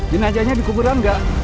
jenazahnya dikuburkan gak